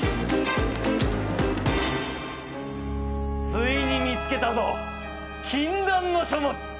ついに見つけたぞ禁断の書物。